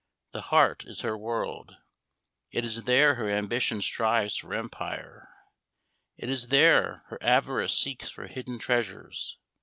The heart is her world; it is there her ambition strives for empire it is there her avarice seeks for hidden treasures.